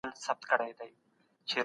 بڼوال به نوي بوټي کینوي.